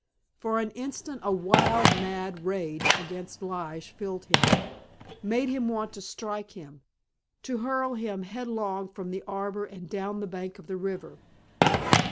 For an instant a wild, mad rage against Lige filled him; made him want to strike him, to hurl him headlong from the arbor and down the bank of the river.